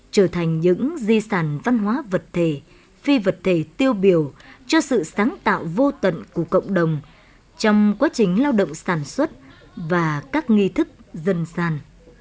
trở thành những di sản văn hóa vật thể phi vật thể tiêu biểu cho sự sáng tạo vô tận của cộng đồng trong quá trình lao động sản xuất và các nghi thức dân gian